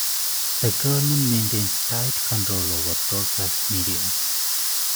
The government maintains tight control over broadcast media.